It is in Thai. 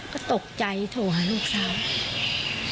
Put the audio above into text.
ก็ตกใจโทรหาลูกสาว